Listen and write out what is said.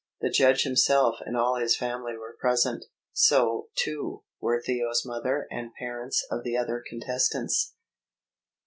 The judge himself and all his family were present. So, too, were Theo's mother and the parents of the other contestants.